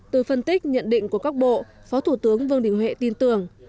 từ phân tích nhận định của các bộ phó thủ tướng vương đình huệ tin tưởng